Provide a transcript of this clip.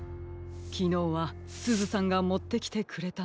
きのうはすずさんがもってきてくれたのに。